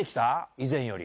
以前より。